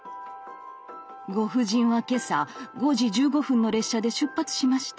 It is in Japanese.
「ご婦人は今朝５時１５分の列車で出発しました。